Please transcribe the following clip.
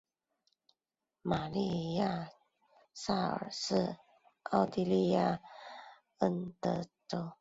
玛丽亚萨尔是奥地利克恩顿州克拉根福兰县的一个市镇。